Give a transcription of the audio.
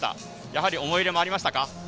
やはり思い入れもありましたか？